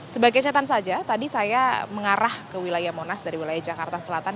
sebagai catatan saja tadi saya mengarah ke wilayah monas dari wilayah jakarta selatan